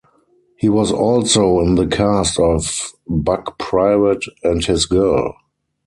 He was also in the cast of "Buck Private and His Girl".